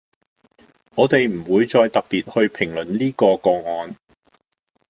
我哋唔會再特別去評論呢個個案